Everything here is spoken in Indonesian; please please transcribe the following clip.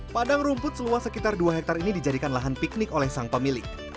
padang rumput seluas sekitar dua hektare ini dijadikan lahan piknik oleh sang pemilik